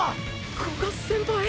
古賀先輩？